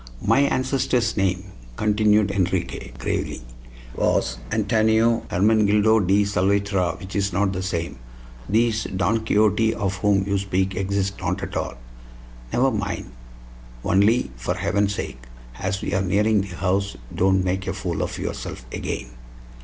"My ancestor's name," continued Enriquez, gravely, "was Antonio Hermenegildo de Salvatierra, which is not the same. Thees Don Quixote of whom you speak exist not at all." "Never mind. Only, for heaven's sake, as we are nearing the house, don't make a fool of yourself again."